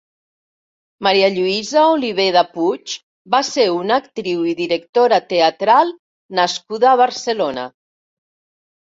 Maria Lluïsa Oliveda Puig va ser una actriu i directora teatral nascuda a Barcelona.